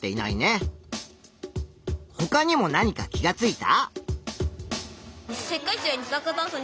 ほかにも何か気がついた？